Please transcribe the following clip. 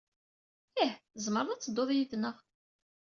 Ih, tzemred ad teddud yid-neɣ.